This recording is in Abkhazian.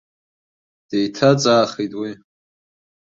Деиҭаҵаахит уи.